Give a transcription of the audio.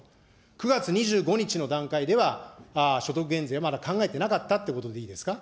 ９月２５日の段階では、所得減税はまだ考えてなかったっていうことでいいですか。